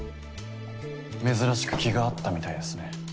珍しく気が合ったみたいですね。